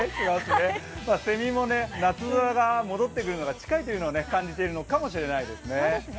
せみも夏空が戻ってくるのが近いと感じているのかもしれないですね。